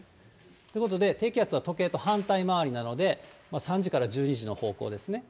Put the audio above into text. ということで、低気圧は時計と反対回りなので、３時から１２時の方向ですね。